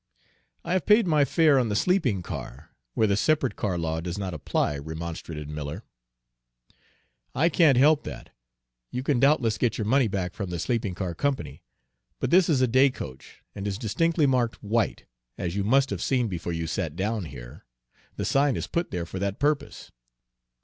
"I have paid my fare on the sleeping car, where the separate car law does not apply," remonstrated Miller. "I can't help that. You can doubtless get your money back from the sleeping car company. But this is a day coach, and is distinctly marked 'White,' as you must have seen before you sat down here. The sign is put there for that purpose."